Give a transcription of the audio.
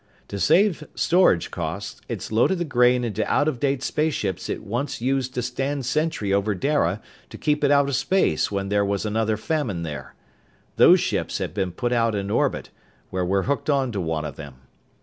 "To save storage costs, it's loaded the grain into out of date spaceships it once used to stand sentry over Dara to keep it out of space when there was another famine there. Those ships have been put out in orbit, where we're hooked on to one of them.